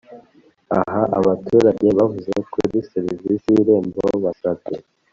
Aha abaturage bavuze kuri serivisi z irembo basabye